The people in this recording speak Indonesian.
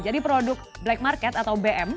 jadi produk black market atau bm